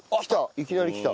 いきなりきた。